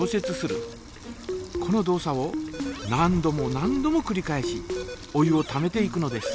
この動作を何度も何度もくり返しお湯をためていくのです。